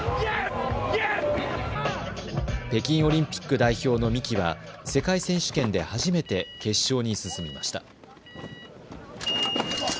北京オリンピック代表の三木は世界選手権で初めて決勝に進みました。